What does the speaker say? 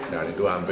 nah itu hampir